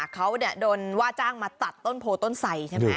เขาโดนว่าจ้างมาตัดต้นโพต้นไส